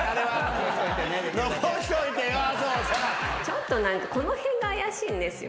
ちょっと何かこの辺が怪しいんですよ。